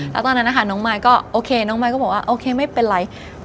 แล้วตอนนั้นนะคะน้องมายก็โอเคน้องมายก็บอกว่าโอเคไม่เป็นไร